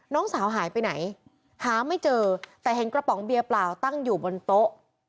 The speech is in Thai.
น้องสาวหายไปไหนหาไม่เจอแต่เห็นกระป๋องเบียร์เปล่าตั้งอยู่บนโต๊ะ